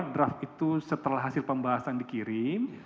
draft itu setelah hasil pembahasan dikirim